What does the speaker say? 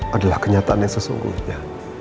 adalah kenyataannya sesungguhnya